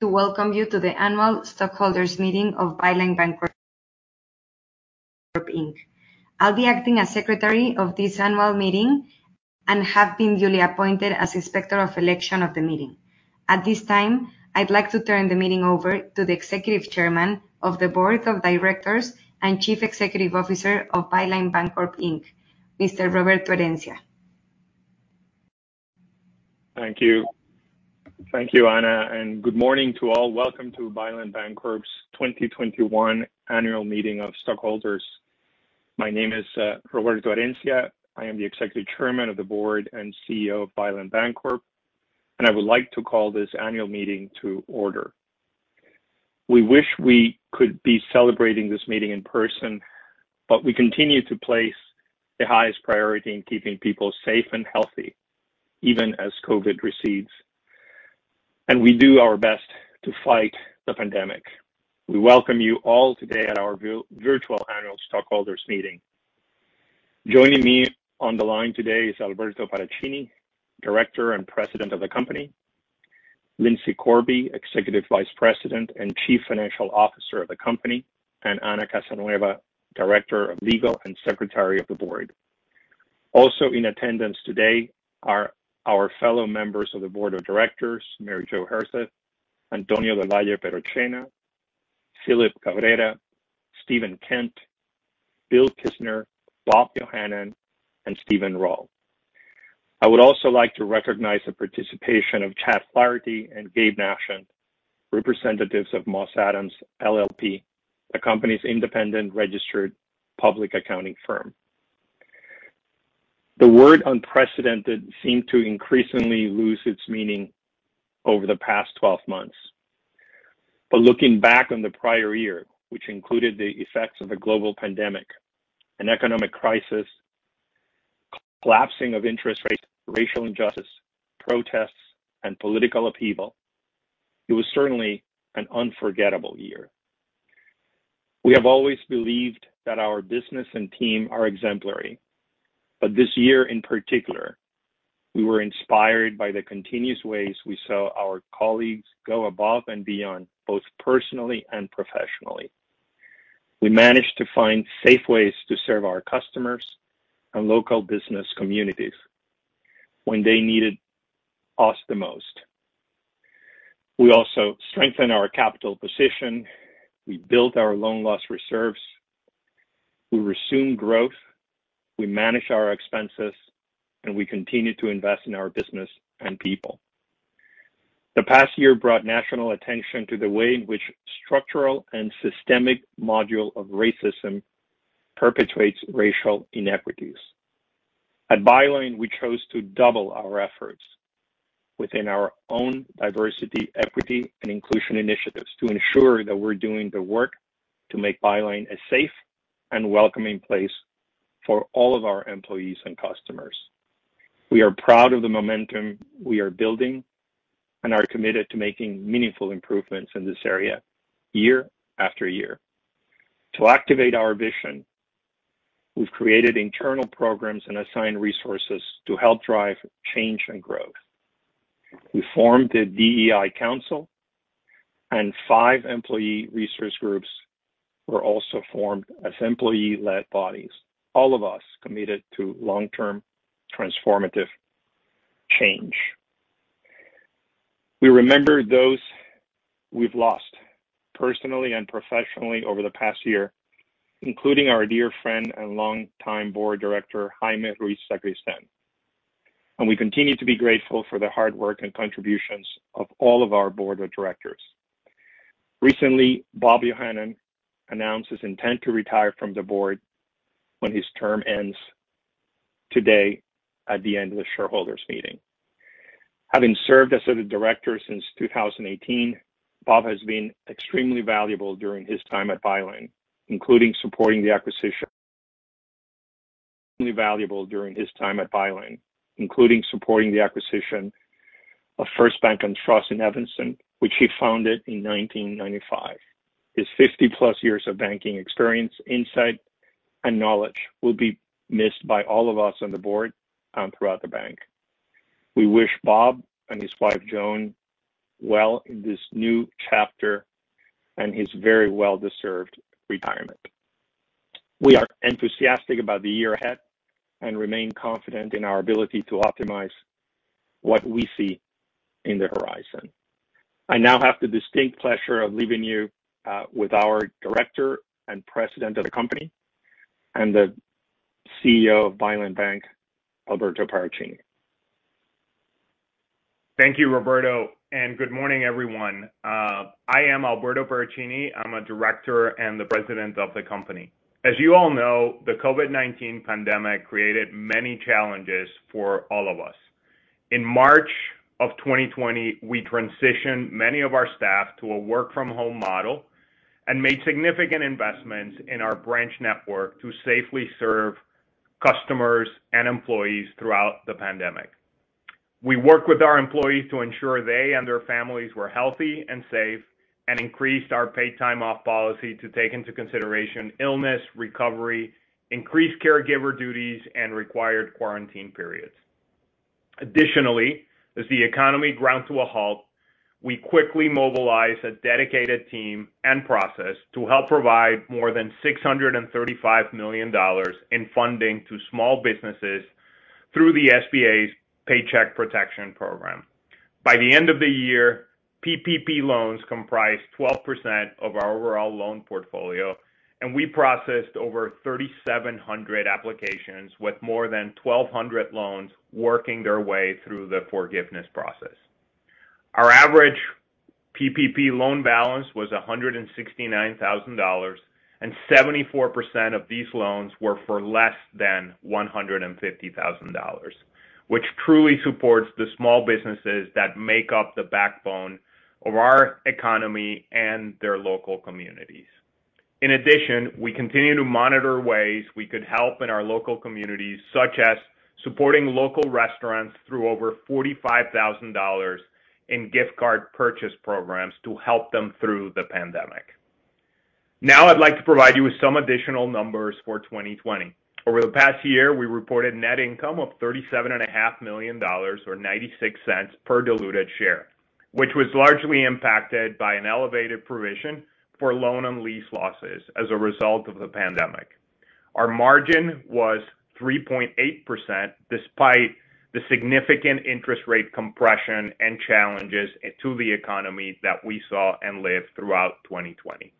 To welcome you to the Annual Stockholders Meeting of Byline Bancorp, Inc. I'll be acting as Secretary of this annual meeting and have been duly appointed as Inspector of Election of the meeting. At this time, I'd like to turn the meeting over to the Executive Chairman of the Board of Directors and Chief Executive Officer of Byline Bancorp, Inc, Mr. Roberto Herencia. Thank you. Thank you, Ana. Good morning to all. Welcome to Byline Bancorp's 2021 annual meeting of stockholders. My name is Roberto Herencia. I am the Executive Chairman of the Board and CEO of Byline Bancorp. I would like to call this annual meeting to order. We wish we could be celebrating this meeting in person. We continue to place the highest priority on keeping people safe and healthy, even as COVID recedes. We do our best to fight the pandemic. We welcome you all today at our virtual annual stockholders meeting. Joining me on the line today is Alberto Paracchini, Director and President of the company, Lindsay Corby, Executive Vice President and Chief Financial Officer of the company, Ana Casanueva, Director of Legal and Secretary of the Board. Also in attendance today are our fellow members of the board of directors, Mary Jo Herseth, Antonio del Valle Perochena, Phillip Cabrera, Steven Kent, Bill Kistner, Bob Yohanan, and Steven Rull. I would also like to recognize the participation of Chad Flaherty and Gabe Nachand, representatives of Moss Adams LLP, the company's independent registered public accounting firm. The word unprecedented seemed to increasingly lose its meaning over the past 12 months. But looking back on the prior year, which included the effects of a global pandemic, an economic crisis, collapsing of interest rates, racial injustice, protests, and political upheaval, it was certainly an unforgettable year. We have always believed that our business and team are exemplary. But this year in particular, we were inspired by the continuous ways we saw our colleagues go above and beyond, both personally and professionally. We managed to find safe ways to serve our customers and local business communities when they needed us the most. We also strengthened our capital position. We built our loan loss reserves. We resumed growth. We managed our expenses, and we continued to invest in our business and people. The past year brought national attention to the way in which structural and systemic models of racism perpetrates racial inequities. At Byline, we chose to double our efforts within our own diversity, equity, and inclusion initiatives to ensure that we're doing the work to make Byline a safe and welcoming place for all of our employees and customers. We are proud of the momentum we are building and are committed to making meaningful improvements in this area year after year. To activate our vision, we've created internal programs and assigned resources to help drive change and growth. We formed a DEI council, and five employee resource groups were also formed as employee-led bodies, all of us committed to long-term transformative change. We remember those we've lost personally and professionally over the past year, including our dear friend and longtime board director, Jaime Ruiz Sacristán. We continue to be grateful for the hard work and contributions of all of our board of directors. Recently, Bob Yohanan announced his intent to retire from the board when his term ends today at the end of the shareholders' meeting. Having served as a director since 2018, Bob has been extremely valuable during his time at Byline, including supporting the acquisition of First Bank & Trust in Evanston, which he founded in 1995. His 50+ years of banking experience, insight, and knowledge will be missed by all of us on the board and throughout the bank. We wish Bob and his wife Joan well in this new chapter and his very well-deserved retirement. We are enthusiastic about the year ahead and remain confident in our ability to optimize what we see on the horizon. I now have the distinct pleasure of leaving you with our Director and President of the company and the CEO of Byline Bank, Alberto Paracchini. Thank you, Roberto, and good morning, everyone. I am Alberto Paracchini. I'm a Director and the President of the company. As you all know, the COVID-19 pandemic created many challenges for all of us. In March of 2020, we transitioned many of our staff to a work-from-home model and made significant investments in our branch network to safely serve customers and employees throughout the pandemic. We worked with our employees to ensure they and their families were healthy and safe. Increased our paid time off policy to take into consideration illness recovery, increased caregiver duties, and required quarantine periods. Additionally, as the economy ground to a halt, we quickly mobilized a dedicated team and process to help provide more than $635 million in funding to small businesses through the SBA's Paycheck Protection Program. By the end of the year, PPP loans comprised 12% of our overall loan portfolio, and we processed over 3,700 applications with more than 1,200 loans working their way through the forgiveness process. Our average PPP loan balance was $169,000, and 74% of these loans were for less than $150,000, which truly supports the small businesses that make up the backbone of our economy and their local communities. In addition, we continue to monitor ways we can help in our local communities, such as supporting local restaurants through over $45,000 in gift card purchase programs to help them through the pandemic. I'd like to provide you with some additional numbers for 2020. Over the past year, we reported net income of $37.5 million, or $0.96 per diluted share, which was largely impacted by an elevated provision for loan and lease losses as a result of the pandemic. Our margin was 3.8%, despite the significant interest rate compression and challenges to the economy that we saw and lived throughout 2020.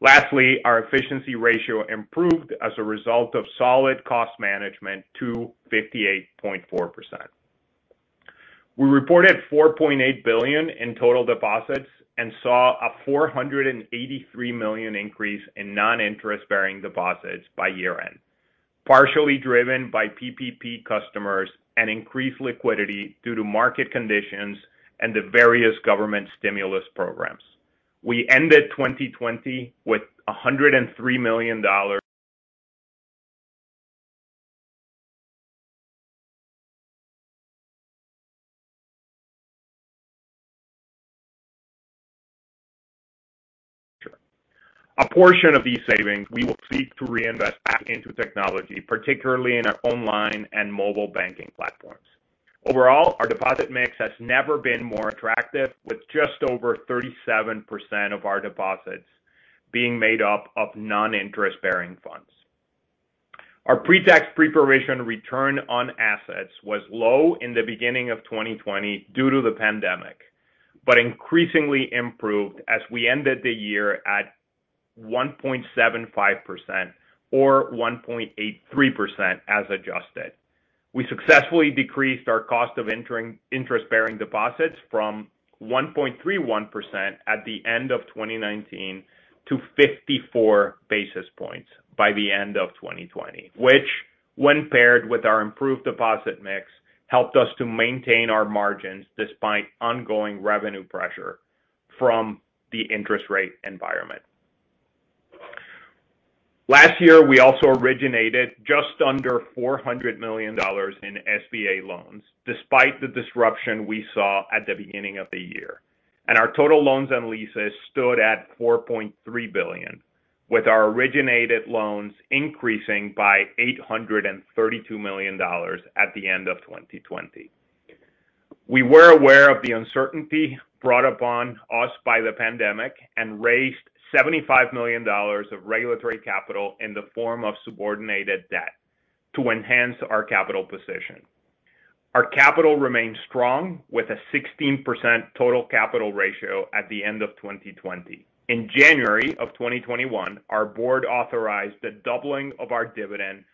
Lastly, our efficiency ratio improved as a result of solid cost management to 58.4%. We reported $4.8 billion in total deposits and saw a $483 million increase in non-interest-bearing deposits by year-end, partially driven by PPP customers and increased liquidity due to market conditions and the various government stimulus programs. We ended 2020 with $103 million. A portion of these savings we will seek to reinvest back into technology, particularly in our online and mobile banking platforms. Overall, our deposit mix has never been more attractive, with just over 37% of our deposits being made up of non-interest-bearing funds. Our pre-tax pre-provision return on assets was low in the beginning of 2020 due to the pandemic, but increasingly improved as we ended the year at 1.75%, or 1.83% as adjusted. We successfully decreased our cost of interest-bearing deposits from 1.31% at the end of 2019 to 54 basis points by the end of 2020, which when paired with our improved deposit mix, helped us to maintain our margins despite ongoing revenue pressure from the interest rate environment. Last year, we also originated just under $400 million in SBA loans, despite the disruption we saw at the beginning of the year. Our total loans and leases stood at $4.3 billion, with our originated loans increasing by $832 million at the end of 2020. We were aware of the uncertainty brought upon us by the pandemic and raised $75 million of regulatory capital in the form of subordinated debt to enhance our capital position. Our capital remains strong with a 16% total capital ratio at the end of 2020. In January of 2021, our board authorized the doubling of our dividend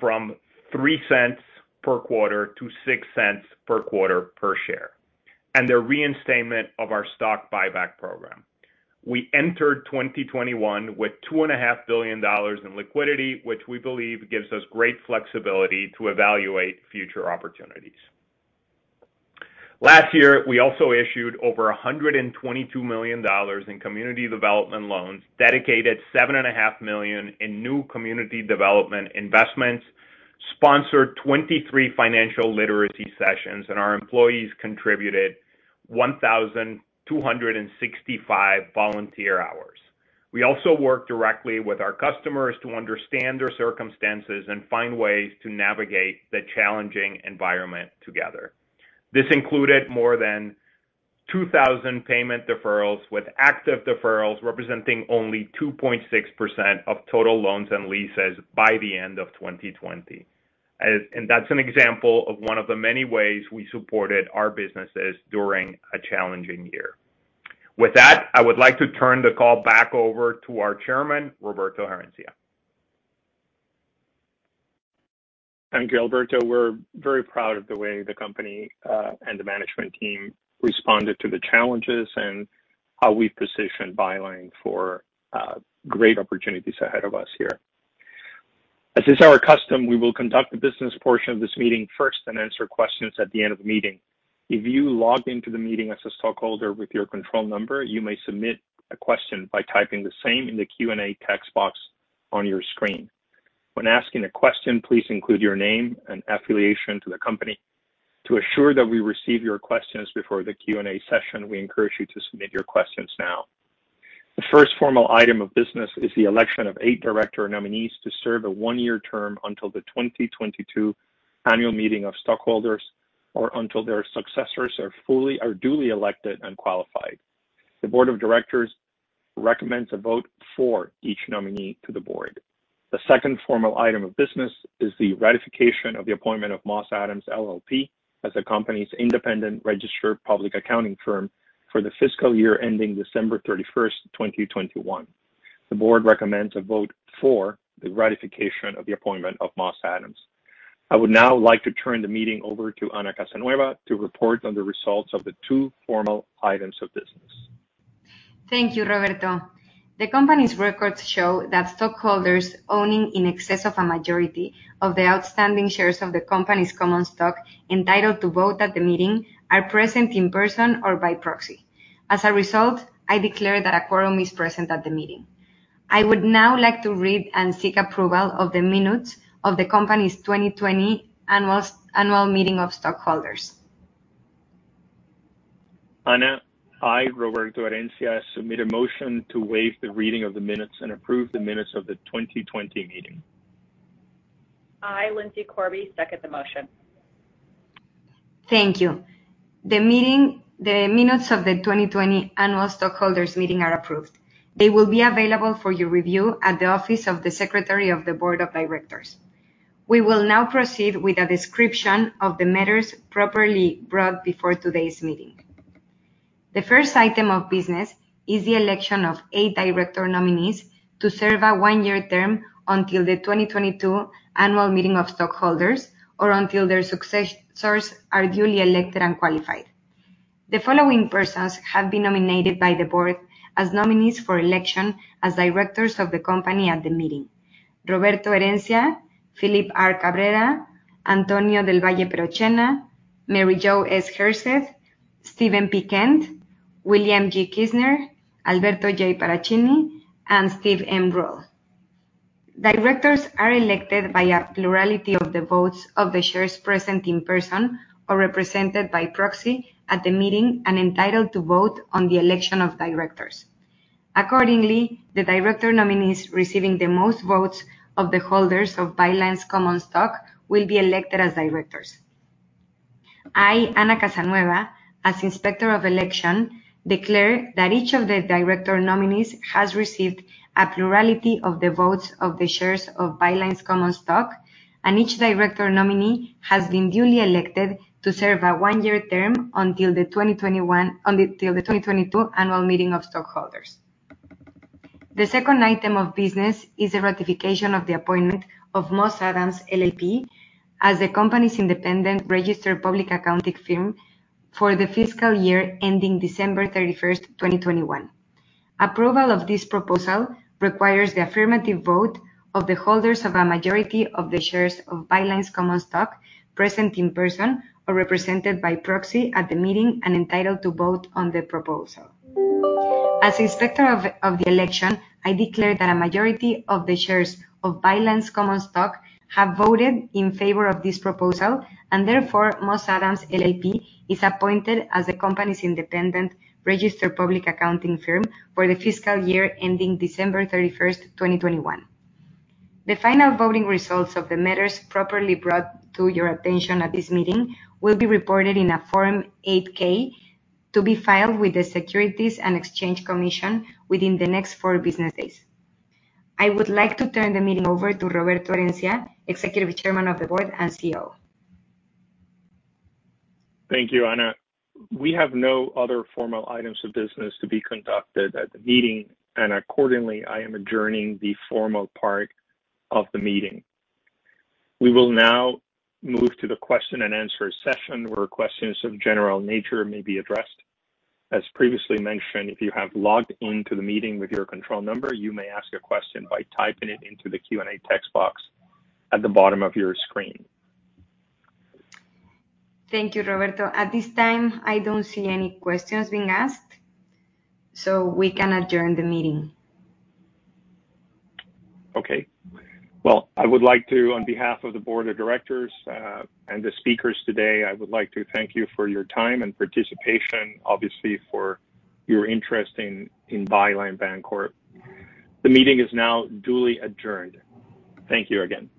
from $0.03 per quarter to $0.06 per quarter per share, and the reinstatement of our stock buyback program. We entered 2021 with $2.5 billion in liquidity, which we believe gives us great flexibility to evaluate future opportunities. Last year, we also issued over $122 million in community development loans, dedicated $7.5 million in new community development investments, sponsored 23 financial literacy sessions, and our employees contributed 1,265 volunteer hours. We also work directly with our customers to understand their circumstances and find ways to navigate the challenging environment together. This included more than 2,000 payment deferrals, with active deferrals representing only 2.6% of total loans and leases by the end of 2020. That's an example of one of the many ways we supported our businesses during a challenging year. With that, I would like to turn the call back over to our Chairman, Roberto Herencia. Thank you, Alberto. We're very proud of the way the company and the management team responded to the challenges and how we've positioned Byline for great opportunities ahead of us here. As is our custom, we will conduct the business portion of this meeting first and answer questions at the end of the meeting. If you logged into the meeting as a stockholder with your control number, you may submit a question by typing the same in the Q&A text box on your screen. When asking a question, please include your name and affiliation to the company. To ensure that we receive your questions before the Q&A session, we encourage you to submit your questions now. The first formal item of business is the election of eight director nominees to serve a one-year term until the 2022 annual meeting of stockholders, or until their successors are duly elected and qualified. The board of directors recommends a vote for each nominee to the board. The second formal item of business is the ratification of the appointment of Moss Adams LLP as the company's independent registered public accounting firm for the fiscal year ending December 31st, 2021. The board recommends a vote for the ratification of the appointment of Moss Adams. I would now like to turn the meeting over to Ana Casanueva to report on the results of the two formal items of business. Thank you, Roberto. The company's records show that stockholders owning in excess of a majority of the outstanding shares of the company's common stock entitled to vote at the meeting are present in person or by proxy. As a result, I declare that a quorum is present at the meeting. I would now like to read and seek approval of the minutes of the company's 2020 annual meeting of stockholders. Ana, I, Roberto Herencia, submit a motion to waive the reading of the minutes and approve the minutes of the 2020 meeting. I, Lindsay Corby, second the motion. Thank you. The minutes of the 2020 annual stockholders meeting are approved. They will be available for your review at the Office of the Secretary of the Board of Directors. We will now proceed with a description of the matters properly brought before today's meeting. The first item of business is the election of eight director nominees to serve a one-year term until the 2022 annual meeting of stockholders, or until their successors are duly elected and qualified. The following persons have been nominated by the board as nominees for election as directors of the company at the meeting: Roberto Herencia, Phillip R. Cabrera, Antonio del Valle Perochena, Mary Jo S. Herseth, Steven P. Kent, William G. Kistner, Alberto J. Paracchini, and Steven M. Rull. Directors are elected by a plurality of the votes of the shares present in person or represented by proxy at the meeting and entitled to vote on the election of directors. Accordingly, the director nominees receiving the most votes of the holders of Byline's common stock will be elected as directors. I, Ana Casanueva, as Inspector of Election, declare that each of the director nominees has received a plurality of the votes of the shares of Byline's common stock, and each director nominee has been duly elected to serve a one-year term until the 2022 annual meeting of stockholders. The second item of business is the ratification of the appointment of Moss Adams LLP as the company's independent registered public accounting firm for the fiscal year ending December 31st, 2021. Approval of this proposal requires the affirmative vote of the holders of a majority of the shares of Byline's common stock present in person or represented by proxy at the meeting and entitled to vote on the proposal. As Inspector of the Election, I declare that a majority of the shares of Byline's common stock have voted in favor of this proposal, and therefore, Moss Adams LLP is appointed as the company's independent registered public accounting firm for the fiscal year ending December 31st, 2021. The final voting results of the matters properly brought to your attention at this meeting will be reported in a Form 8-K to be filed with the Securities and Exchange Commission within the next four business days. I would like to turn the meeting over to Roberto Herencia, Executive Chairman of the Board and CEO. Thank you, Ana. We have no other formal items of business to be conducted at the meeting, and accordingly, I am adjourning the formal part of the meeting. We will now move to the question and answer session, where questions of general nature may be addressed. As previously mentioned, if you have logged into the meeting with your control number, you may ask a question by typing it into the Q&A text box at the bottom of your screen. Thank you, Roberto. At this time, I don't see any questions being asked, so we can adjourn the meeting. Okay. Well, on behalf of the board of directors and the speakers today, I would like to thank you for your time and participation, obviously for your interest in Byline Bancorp. The meeting is now duly adjourned. Thank you again.